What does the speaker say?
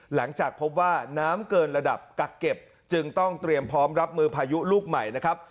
หลังจากพบว่าน้ำเกินระดับกักเก็บจึงต้องเตรียมพร้อมรับมือพายุลูกใหม่นะครับ